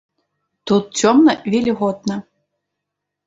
Тут цёмна і вільготна.